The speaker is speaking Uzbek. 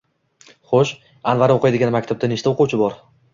Xoʻsh, Anvar oʻqiydigan maktabda nechta oʻquvchi bor